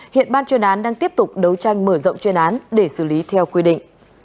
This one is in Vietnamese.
hiện ban chuyên án đang tiếp tục đấu tranh mở rộng chuyên án để xử lý theo quy định